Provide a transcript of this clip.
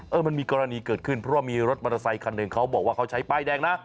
มันมีกรณีเกิดขึ้นเพราะว่ามีรถมอเตอร์ไซคันหนึ่งเขาบอกว่าเขาใช้ป้ายแดงนะ